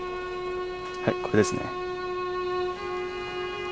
はいこれですね。